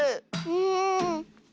うん。